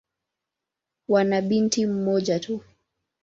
Wana binti mmoja.